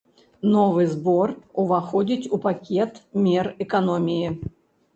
Новы збор ўваходзіць у пакет мер эканоміі.